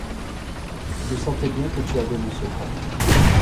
Je sentais bien que tu avais mon secret.